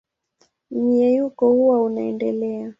Mmenyuko huo unaendelea.